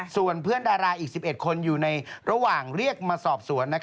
ส่วนเพื่อนดาราอีก๑๑คนอยู่ในระหว่างเรียกมาสอบสวน